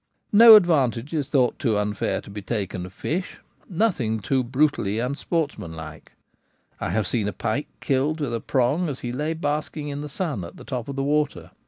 No advantage is thought too unfair to be taken of fish ; nothing too brutally unsportsmanlike. I have seen a pike killed with a prong as he lay basking in the sun at the top of the water.